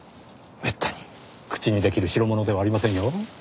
めったに口にできる代物ではありませんよ。